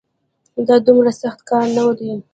دا دومره سخت کار نه دی